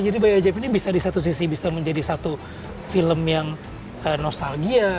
jadi bayi ajaib ini bisa di satu sisi bisa menjadi satu film yang nostalgia